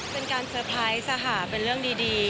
เป็นการเซอร์ไพรส์สหาเป็นเรื่องดี